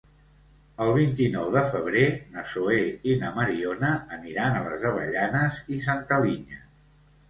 El vint-i-nou de febrer na Zoè i na Mariona aniran a les Avellanes i Santa Linya.